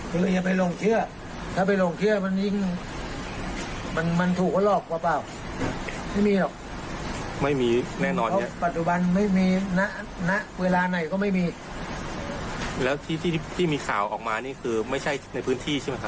หรือแล้วอยากจะฝากภาษาชน